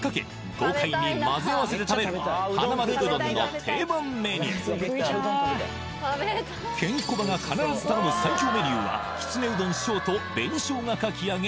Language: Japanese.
豪快に混ぜ合わせて食べるはなまるうどんの定番メニューケンコバが必ず頼む最強メニューはきつねうどん小と紅生姜かき揚げ